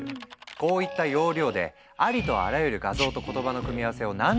こういった要領でありとあらゆる画像と言葉の組み合わせを何十億と学習させた。